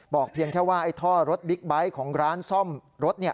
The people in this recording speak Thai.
เพียงแค่ว่าไอ้ท่อรถบิ๊กไบท์ของร้านซ่อมรถ